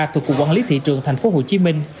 thuộc cục quản lý thị trường thành phố hồ chí minh